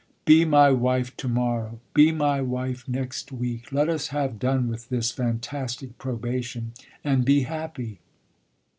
"Be my wife to morrow be my wife next week. Let us have done with this fantastic probation and be happy."